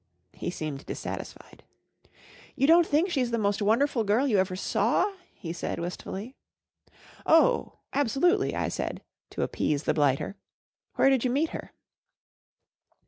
He seemed dissatisfied* " You don't think she's the most wonderful girl you ever saw ?" lie said, wistfully. 41 Oh, absolutely I " I said, to appease the blighter. " Where did you meet her